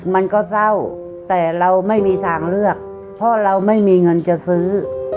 มันก็เศร้าแต่เราไม่มีทางเลือกเพราะเราไม่มีเงินจะซื้อ